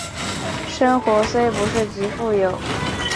生活虽不是极富有